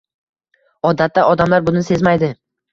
Odatda odamlar buni sezmaydi.